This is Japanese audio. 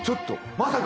まさか。